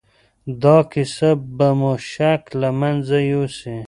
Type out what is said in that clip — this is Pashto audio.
دا کيسه به مو شک له منځه يوسي.